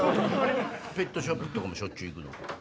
ペットショップもしょっちゅう行くの？